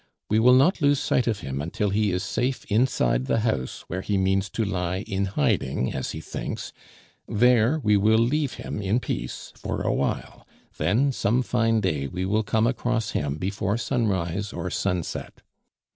We will not lose sight of him until he is safe inside the house where he means to lie in hiding (as he thinks); there we will leave him in peace for awhile; then some fine day we will come across him before sunrise or sunset."